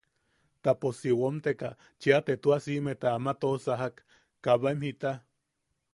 Ta pos si womteka chea te tua siʼimeta ama toʼosakak, kabaim jita.